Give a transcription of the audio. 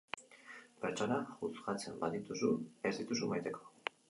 Pertsonak juzgatzen badituzu ez dituzu maiteko